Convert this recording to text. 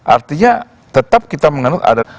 artinya tetap kita menganut ada